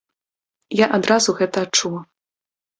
Я адразу гэта адчула.